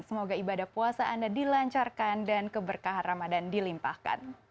semoga ibadah puasa anda dilancarkan dan keberkahan ramadan dilimpahkan